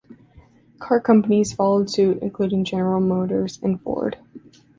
Car companies followed suit, including General Motors and Ford.